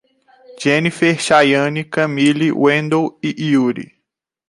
Dienifer, Chaiane, Camille, Wendell e Iure